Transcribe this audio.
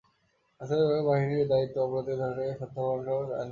আইনশৃঙ্খলা রক্ষাকারী বাহিনীর দায়িত্ব অপরাধীকে ধরে তথ্য–প্রমাণসহ আইনের কাছে সোপর্দ করা।